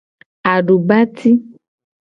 Adubati.